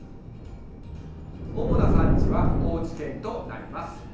主な産地は高知県となります。